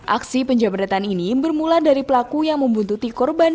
aksi penjabretan ini bermula dari pelaku yang membuntuti korban